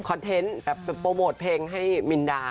เทนต์แบบโปรโมทเพลงให้มินดา